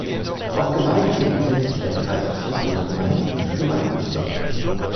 Auf Gemeindeebene setzt sich der Kreis aus vier Großgemeinden und fünf Gemeinden zusammen.